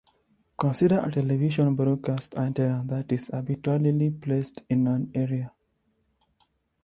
Consider a television broadcast antenna that is arbitrarily placed in an area.